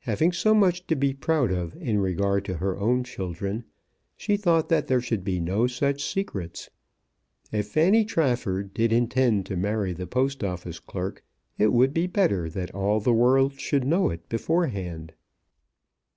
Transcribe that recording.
Having so much to be proud of in regard to her own children, she thought that there should be no such secrets. If Fanny Trafford did intend to marry the Post Office clerk it would be better that all the world should know it beforehand.